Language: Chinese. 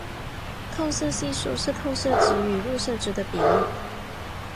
透射系数是透射值与入射值的比率。